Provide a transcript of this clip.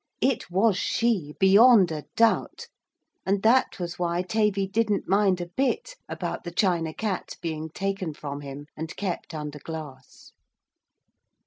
It was she, beyond a doubt, and that was why Tavy didn't mind a bit about the China Cat being taken from him and kept under glass.